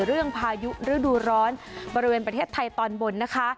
พายุฤดูร้อนบริเวณประเทศไทยตอนบนนะคะ